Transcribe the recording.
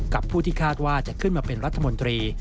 ผู้ที่คาดว่าจะขึ้นมาเป็นรัฐมนตรี